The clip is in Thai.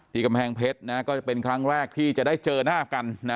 กำแพงเพชรก็จะเป็นครั้งแรกที่จะได้เจอหน้ากันนะ